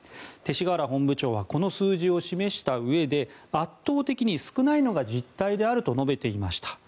勅使河原本部長はこの数字を示したうえで圧倒的に少ないのが実態であると述べていました。